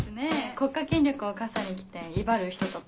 国家権力を笠に着て威張る人とか。